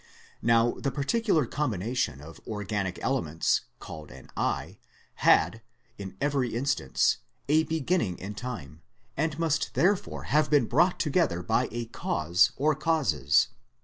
Now the parti cular combination of organic elements called an eye had, in every instance, a beginning in time and must there fore have been brought together by a cause or causes.